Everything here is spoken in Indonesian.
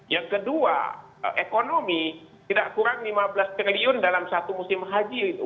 yang kedua ekonomi tidak kurang lima belas triliun dalam satu musim haji